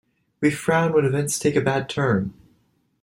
We frown when events take a bad turn.